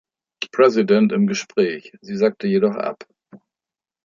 President" im Gespräch, sie sagte jedoch ab.